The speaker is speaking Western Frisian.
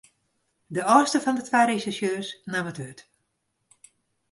De âldste fan de twa resjersjeurs naam it wurd.